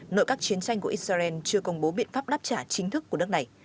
nội các chiến tranh của israel chưa công bố biện pháp đáp trả chính thức của nước này